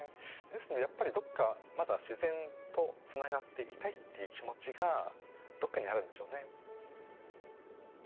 ですのでやっぱりどっかまだ自然とつながっていたいっていう気持ちがどっかにあるんでしょうね。